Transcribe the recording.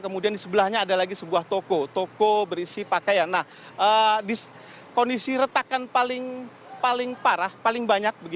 kemudian di sebelahnya ada lagi sebuah toko toko berisi pakaian kondisi retakan paling parah paling banyak